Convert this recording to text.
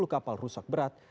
sepuluh kapal rusak berat